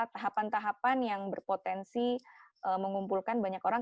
tahapan tahapan yang berpotensi mengumpulkan banyak orang